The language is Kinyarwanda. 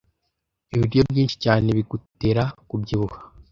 Ibiryo byinshi cyane bigutera kubyibuha.